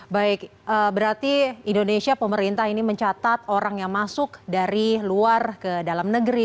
baik berarti indonesia pemerintah ini mencatat orang yang masuk dari luar ke dalam negeri